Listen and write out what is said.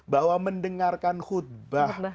bahwa mendengarkan khutbah